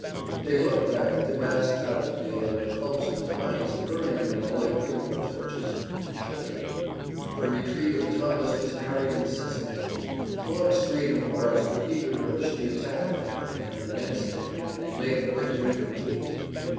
They looked back at the vast battlefield and the clumps of pines burning now like funeral torches, and shuddered. The retreat of Thomas was harried incessantly. Longstreet and Forrest were eager to push the attack that night and the next day and make the victory complete.